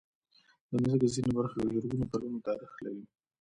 د مځکې ځینې برخې د زرګونو کلونو تاریخ لري.